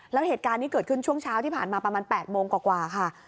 แล้วเหตุการณ์นี้เกิดขึ้นช่วงเช้าที่ผ่านมาประมาณ๘โมงกว่าค่ะ